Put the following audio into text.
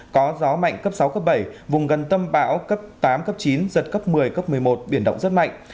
có gió mạnh cấp sáu cấp bảy vùng gần tâm bão cấp tám cấp chín giật cấp một mươi cấp một mươi một biển động rất mạnh